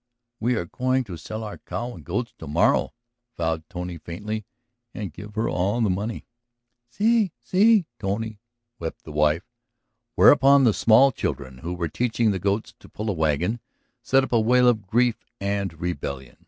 ... "We are going to sell our cow and the goats to morrow!" vowed Tony faintly. "And give her all the money!" "Si, si, Tony," wept the wife. Whereupon the small children, who were teaching the goats to pull a wagon, set up a wail of grief and rebellion.